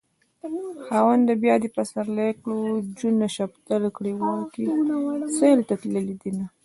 خاونده بيا دې پسرلی کړو جونه شفتل کړي وړکي سيل ته تللي دينه